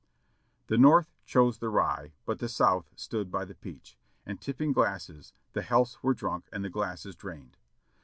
The North chose the rye, but the South stood by the peach. AN ALL NIGHT JOURNEY 635 and tipping glasses, the healths were drunk and the glasses drained.